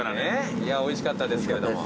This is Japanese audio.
いやおいしかったですけれども。